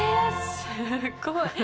すっごい。